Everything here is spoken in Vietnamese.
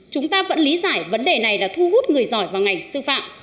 chúng ta vẫn lý giải vấn đề này là thu hút người giỏi vào ngành sư phạm